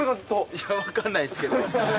いや、分からないですけど。